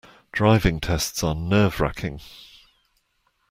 Driving tests are nerve-racking.